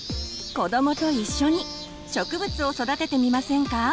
子どもと一緒に植物を育ててみませんか？